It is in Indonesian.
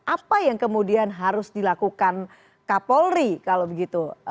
apa yang kemudian harus dilakukan kapolri kalau begitu